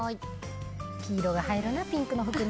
黄色が映えるな、ピンクの服に。